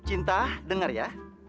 cinta dengar ya